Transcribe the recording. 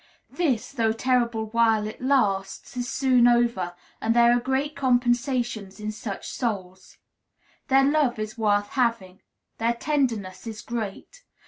This, though terrible while it lasts, is soon over, and there are great compensations in such souls. Their love is worth having. Their tenderness is great.